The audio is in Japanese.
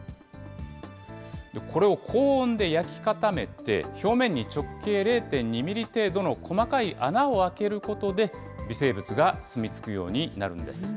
これを高温で焼き固めて、表面に直径０．２ミリ程度の細かい穴を開けることで、微生物が住み着くようになるんです。